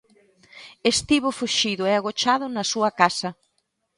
Estivo fuxido e agochado na súa casa.